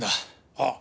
ああ。